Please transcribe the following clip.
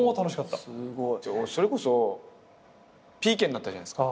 それこそＰＫになったじゃないっすか。